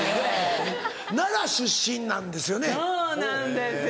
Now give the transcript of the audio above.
奈良出身なんですよね。